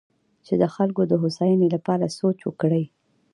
چې د خلکو د هوساینې لپاره سوچ وکړي.